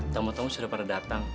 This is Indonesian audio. tamu tamu sudah pada datang